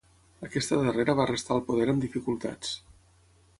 Aquesta darrera va restar al poder amb dificultats.